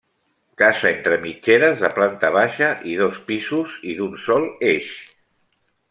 Casa entre mitgeres de planta baixa i dos pisos i d'un sol eix.